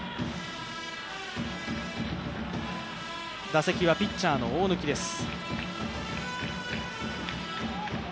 打席はピッチャーの大貫です。